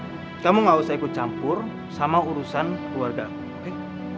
aku minta sama kamu kamu nggak usah ikut campur sama urusan keluarga aku oke